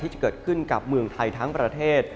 จะเกิดขึ้นกับเมืองไทยทั้งประเทศ